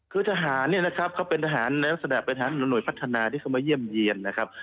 คือทหารเนี่ยนะครับเขาเป็นทหารในลักษณะเป็นทหารหน่วยพัฒนาที่เขามาเยี่ยมเยี่ยนนะครับ